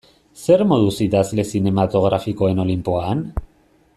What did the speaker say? Zer moduz idazle zinematografikoen olinpoan?